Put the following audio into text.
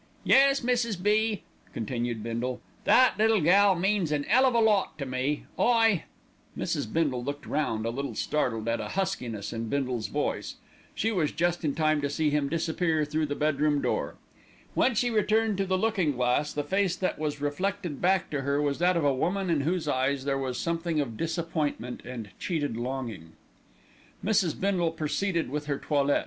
"Yes, Mrs. B.," continued Bindle, "that little gal means an 'ell of a lot to me, I " Mrs. Bindle looked round, a little startled at a huskiness in Bindle's voice. She was just in time to see him disappear through the bedroom door. When she returned to the looking glass, the face that was reflected back to her was that of a woman in whose eyes there was something of disappointment and cheated longing. Mrs. Bindle proceeded with her toilet.